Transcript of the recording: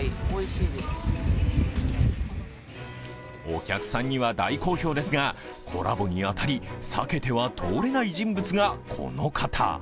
お客さんには大好評ですがコラボに当たり避けては通れない人物がこの方。